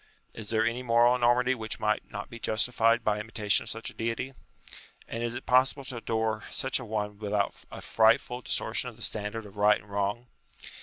Is there any moral enormity which might not be justified by imitation of such a Deity ? And is it possible to adore such a one without a frightful distortion of the standard of right and wrong?